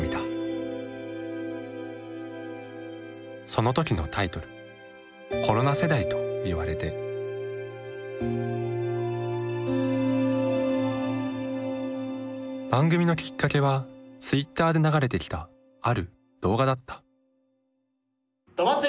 その時のタイトル番組のきっかけはツイッターで流れてきたある動画だった。